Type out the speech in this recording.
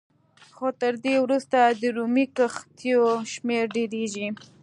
خو تر دې وروسته د رومي کښتیو شمېر ډېرېږي